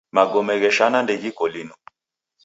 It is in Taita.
Magome gheshana ndeghiko linu.